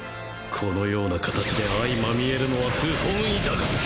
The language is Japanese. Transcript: このようなかたちで相まみえるのは不本意だが。